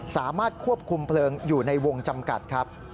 สามารถควบคุมเพลิงอยู่ในวงจำกัดครับ